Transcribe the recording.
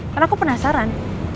karena aku penasaran